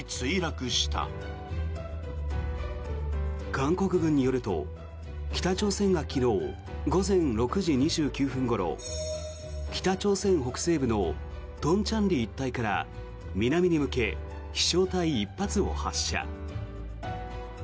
韓国軍によると北朝鮮が昨日午前６時２９分ごろ北朝鮮北西部の東倉里一帯から南に向け、飛翔体１発を発射。